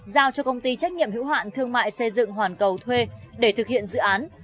giao cho công ty trách nhiệm hữu hạn thương mại xây dựng hoàn cầu thuê để thực hiện dự án